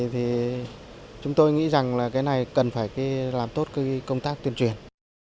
thì chúng tôi nghĩ rằng là cái này cần phải làm tốt cái công tác tuyên truyền